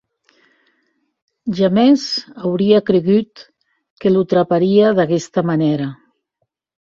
Jamès auria creigut que lo traparia d’aguesta manèra.